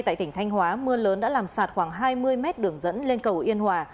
tại tỉnh thanh hóa mưa lớn đã làm sạt khoảng hai mươi mét đường dẫn lên cầu yên hòa